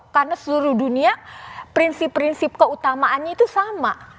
karena seluruh dunia prinsip prinsip keutamaannya itu sama